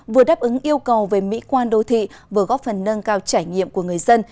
vừa đáp ứng yêu cầu về mỹ quan đô thị vừa góp phần nâng cao trải nghiệm của người dân